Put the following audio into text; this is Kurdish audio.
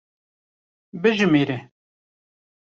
Bijimêre.